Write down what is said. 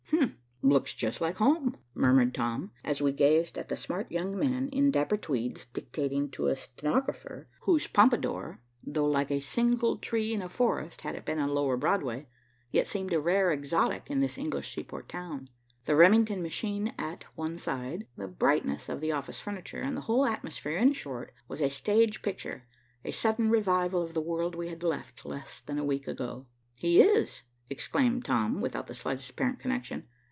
"Looks just like home," murmured Tom, as we gazed at the smart young man in dapper tweeds dictating to a stenographer whose pompadour, though like a single tree in a forest had it been on lower Broadway, yet seemed a rare exotic in this English seaport town. The Remington machine at one side, the brightness of the office furniture, the whole atmosphere, in short, was a stage picture, a sudden revival of the world we had left less than a week ago. "He is," exclaimed Tom, without the slightest apparent connection.